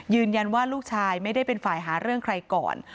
ยืนยันว่าลูกชายไม่ได้เป็นฝ่ายหาเรื่องใครก่อน